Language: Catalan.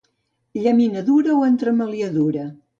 Llaminadura o entremaliadura.